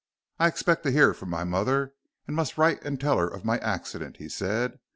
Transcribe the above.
"I expect to hear from my mother, and must write and tell her of my accident," said he.